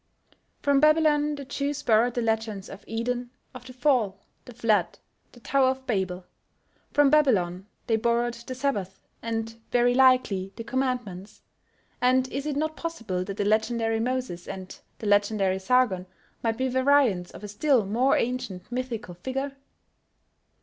From Babylon the Jews borrowed the legends of Eden, of the Fall, the Flood, the Tower of Babel; from Babylon they borrowed the Sabbath, and very likely the Commandments; and is it not possible that the legendary Moses and the legendary Sargon may be variants of a still more ancient mythical figure?